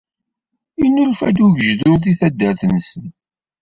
Yennulfa-d ugejdur deg taddart-nsen